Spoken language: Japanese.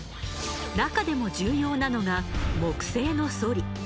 なかでも重要なのが木製のそり。